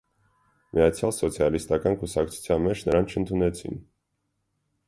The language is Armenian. Միացյալ սոցիալիստական կուսակցության մեջ նրան չընդունեցին։